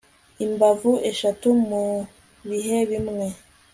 impamvu eshatu mu bihe bimwe